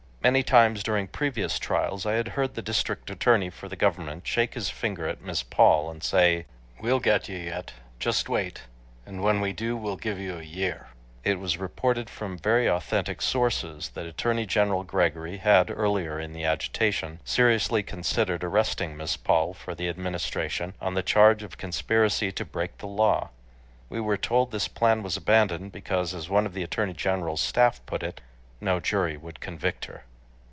Many times during previous trials I had heard the District Attorney for the government shake his finger at Miss Paul and say, "We'll get you yet .... Just wait; and when we do, we'll give you a year!" It was reported from very authentic sources that Attorney General Gregory had, earlier in the agitation, seriously considered arresting Miss Paul for the Administration, on the charge of conspiracy to break the law. We were told this plan was abandoned because, as one of the Attorney General's staff put it, "No jury would convict her."